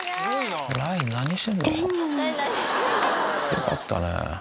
よかったね。